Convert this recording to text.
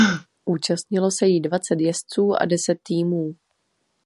Účastnilo se jí dvacet jezdců a deset týmů.